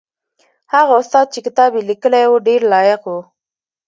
هغه استاد چې کتاب یې لیکلی و ډېر لایق و.